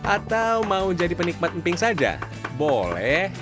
atau mau jadi penikmat emping saja boleh